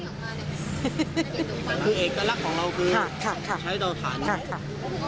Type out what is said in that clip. คือเอกลักษณ์ของเราคือใช้เตาถ่านใช่ค่ะ